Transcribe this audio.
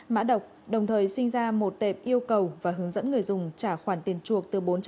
mã độc đồng thời sinh ra một tệp yêu cầu và hướng dẫn người dùng trả khoản tiền chuộc từ bốn trăm linh